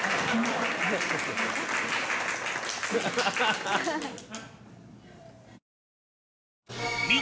ハハハッ。